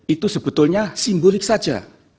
itu sebetulnya simbolik saja